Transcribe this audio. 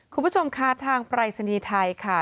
คุณผู้ชมคะทางปรายศนีย์ไทยค่ะ